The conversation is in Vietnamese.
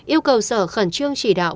yêu cầu sở khẩn trương chỉ đạo